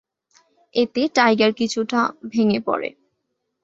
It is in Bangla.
এতে টাইগার কিছুটা ভেঙ্গে পড়ে।